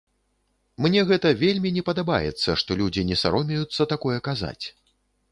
Мне гэта вельмі не падабаецца, што людзі не саромеюцца такое казаць.